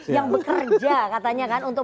yang bekerja katanya kan untuk